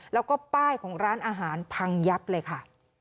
แล้วก็ป้ายของร้านอาหารพังยับเลยค่ะ